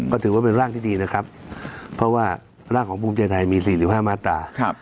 ก็ถือว่าเป็นร่างที่ดีนะครับเพราะว่าร่างของภูมิใจไทยมี๔๕มาตรา